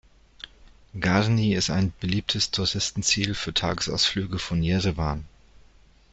Garni ist ein beliebtes Touristenziel für Tagesausflüge von Jerewan.